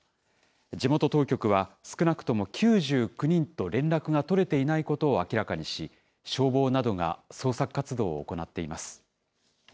地元当局は、少なくとも９９人と連絡が取れていないことを明らかにし、消防などが捜索活動を行っています。